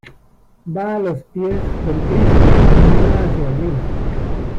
Va a los pies del Cristo y mira hacia arriba.